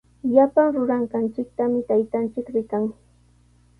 Llapan ruranqanchiktami taytanchik rikan.